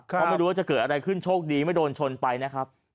เพราะไม่รู้ว่าจะเกิดอะไรขึ้นโชคดีไม่โดนชนไปนะครับ